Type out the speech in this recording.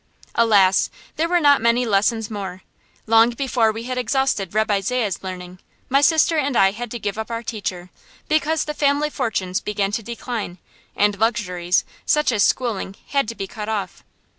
Alas! there were not many lessons more. Long before we had exhausted Reb' Isaiah's learning, my sister and I had to give up our teacher, because the family fortunes began to decline, and luxuries, such as schooling, had to be cut off.